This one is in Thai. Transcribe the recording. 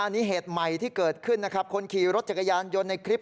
นี่เหตุใหม่ที่เกิดขึ้นนะครับคนขี่รถจักรยานยนต์ในคลิป